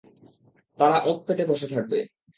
তারা ওঁৎ পেতে বসে থাকবে।